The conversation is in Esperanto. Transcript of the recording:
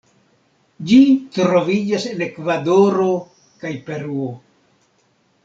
Ĝi troviĝas en Ekvadoro kaj Peruo.